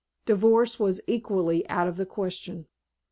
Divorce was equally out of the question.